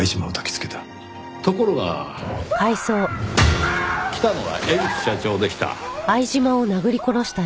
ところが来たのは江口社長でした。